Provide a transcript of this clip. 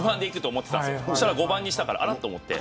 そうしたら５番にしたからあら、と思って。